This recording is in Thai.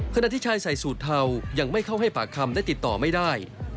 ขณะที่ชายใส่สูตรเทายังไม่เข้าให้ปากคำและติดต่อไม่ได้